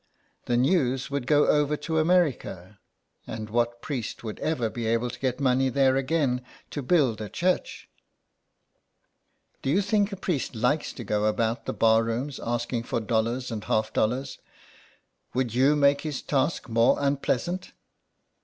The news would go over to America, 96 SOME PARISHIONERS. and what priest would be ever able to get money there again to build a church ?" Do you think a priest likes to go about the bar rooms asking for dollars and half dollars ? Would you make his task more unpleasant